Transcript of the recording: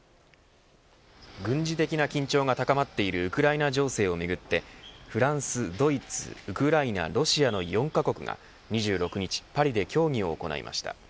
軍事的な緊張が高まっているウクライナ情勢をめぐってフランス、ドイツ、ウクライナロシアの４カ国が２６日パリで協議を行いました。